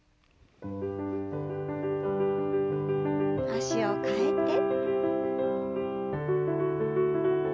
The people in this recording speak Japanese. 脚を替えて。